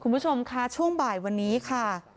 คุณผู้ชมค่ะช่วงบ่ายวันนี้ค่ะ